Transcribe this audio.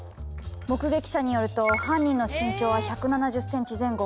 目撃者によると犯人の身長は１７０ｃｍ前後。